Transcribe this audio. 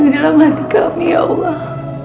kau yang memberi kekuatan